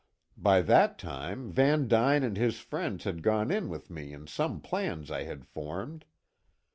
By that time, Van Duyn and his friends had gone in with me in some plans I had formed.